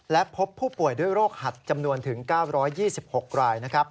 และพบผู้ป่วยด้วยโรคหัดจำนวนถึง๙๒๖ราย